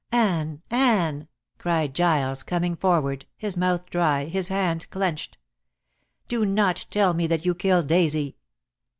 "Anne! Anne!" cried Giles, coming forward, his mouth dry, his hands clenched. "Do not tell me that you killed Daisy."